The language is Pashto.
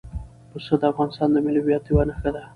پسه د افغانستان د ملي هویت یوه نښه ده.